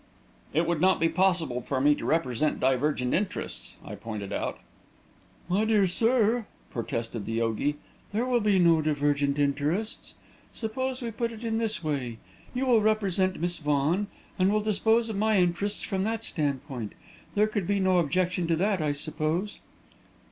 "It would not be possible for me to represent divergent interests," I pointed out. "My dear sir," protested the yogi, "there will be no divergent interests. Suppose we put it in this way: you will represent Miss Vaughan, and will dispose of my interests from that standpoint. There could be no objection to that, I suppose?"